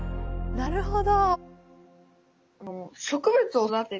なるほど。